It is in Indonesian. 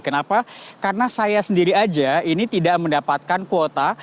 kenapa karena saya sendiri aja ini tidak mendapatkan kuota